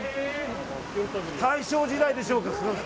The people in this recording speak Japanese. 大正時代でしょうか。